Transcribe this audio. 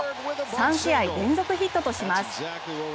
３試合連続ヒットとします。